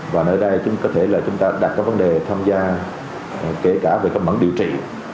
và nơi đây chúng ta có thể là chúng ta đặt cái vấn đề tham gia kể cả về các bản điều trị